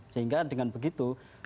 sehingga dengan begitu